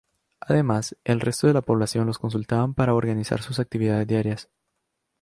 Además, el resto de la población los consultaban para organizar sus actividades diarias.